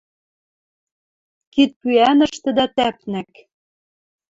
Кидпӱӓнӹштӹдӓ тӓпнӓк